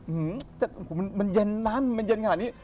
หื้มมันเย็นนั้นมันเย็นขนาดนี้